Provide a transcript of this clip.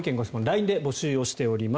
ＬＩＮＥで募集しています。